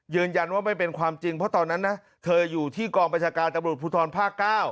ยืนยันว่าไม่เป็นความจริงเพราะตอนนั้นนะเธออยู่ที่กองประชาการตำรวจภูทรภาค๙